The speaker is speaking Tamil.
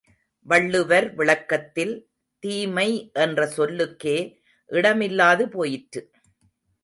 வள்ளுவர் விளக்கத்தில், தீமை என்ற சொல்லுக்கே இடமில்லாது போயிற்று.